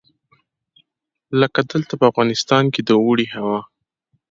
لکه دلته په افغانستان کې د اوړي هوا.